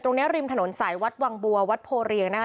ตรงเนี่ยริมถนนสายวัดวางบัววัดโพเรียง